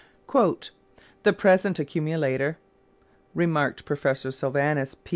"The present accumulator," remarked Prof. Sylvanus P.